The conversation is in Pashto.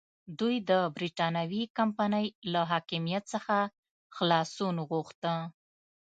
دوی د برېټانوي کمپنۍ له حاکمیت څخه خلاصون غوښته.